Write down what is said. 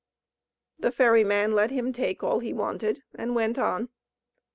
'" The ferry man let him take all he wanted and went on.